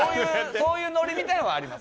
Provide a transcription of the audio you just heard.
そういうノリみたいなのはあります。